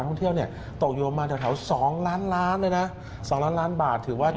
ใหญ่ใหญ่มากนะครับต้องบอกว่า